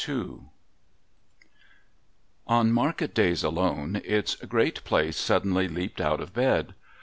On market days alone, its Great Place suddenly leaped out of bed.